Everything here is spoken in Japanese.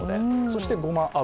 そしてごま油。